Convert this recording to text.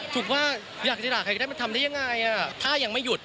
ถูกว่าอยากจะด่าใครก็ได้มันทำได้ยังไง